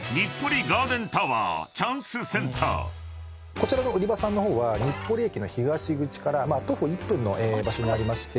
こちらの売り場さんの方は日暮里駅の東口から徒歩１分の場所にありまして。